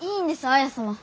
綾様。